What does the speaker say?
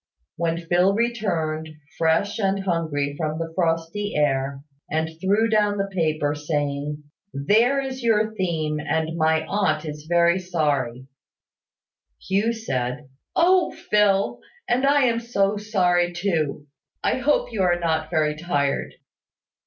When Phil returned, fresh and hungry from the frosty air, and threw down the paper, saying, "There is your theme, and my aunt is very sorry," Hugh said, "Oh! Phil, and I am so sorry too! I hope you are not very tired."